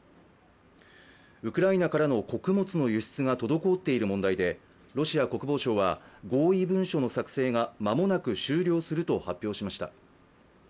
ウクライナからの穀物の輸出が滞っている問題でロシア国防省は合意文書の作成がまもなく終了すると発表しました。